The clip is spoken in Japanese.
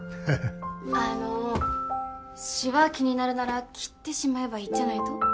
あのシワ気になるなら切ってしまえばいいっちゃないと？